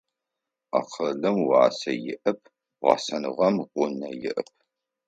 Акъылым уасэ иӏэп, гъэсэныгъэм гъунэ иӏэп.